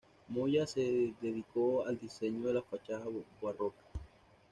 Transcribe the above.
Moya se dedicó al diseño de la fachada barroca.